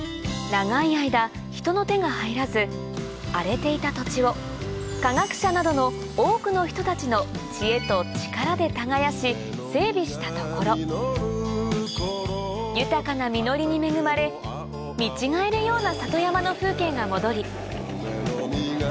長い間人の手が入らず荒れていた土地を科学者などの多くの人たちの知恵と力で耕し整備したところ豊かな実りに恵まれ見違えるような里山の風景が戻り